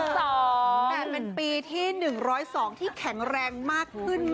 แต่เป็นปีที่๑๐๒ที่แข็งแรงมากขึ้น